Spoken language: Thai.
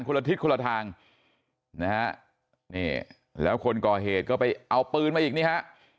ละทิศคนละทางนะฮะนี่แล้วคนก่อเหตุก็ไปเอาปืนมาอีกนี่ฮะ